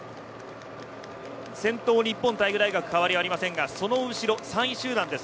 先頭、日本体育大学は変わりありませんがその後ろ３位集団です。